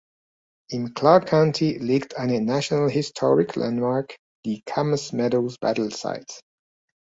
Im Clark County liegt eine National Historic Landmark, die Camas Meadows Battle Sites.